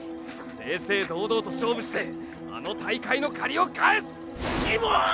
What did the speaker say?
正々堂々と勝負してあの大会の借りを返す！